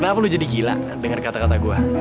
kenapa lo jadi gila denger kata kata gue